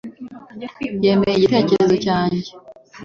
yemeye igitekerezo cyanjye